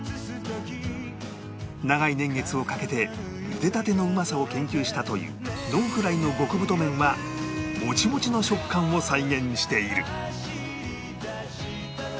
長い年月をかけて茹でたてのうまさを研究したというノンフライの極太麺はモチモチの食感を再現している